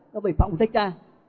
nó bị phóng thích ra